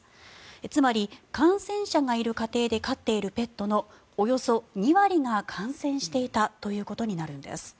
つまり、感染者がいる家庭で飼っているペットのおよそ２割が感染していたということになるんです。